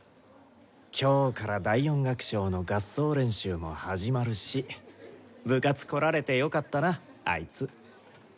今日から第４楽章の合奏練習も始まるし部活来られてよかったなあいつ。